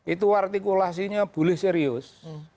itu artikulasinya boleh serius